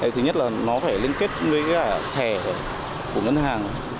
thứ nhất là nó phải liên kết với cả thẻ của ngân hàng